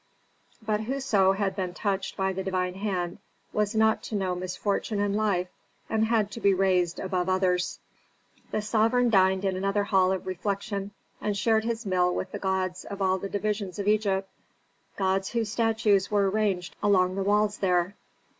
But whoso had been touched by the divine hand was not to know misfortune in life and had to be raised above others. The sovereign dined in another hall of refection and shared his meal with the gods of all the divisions of Egypt, gods whose statues were ranged along the walls there.